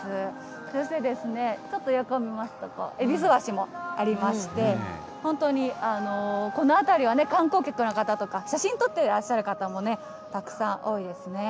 そしてですね、ちょっと横を見ますとえびす橋もありまして、本当にこの辺りは、観光客の方とか、写真撮っていらっしゃる方も、たくさん、多いですね。